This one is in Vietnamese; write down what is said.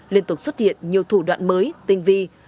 liên tục xuất hiện nhiều thủ đoạn mới tinh vi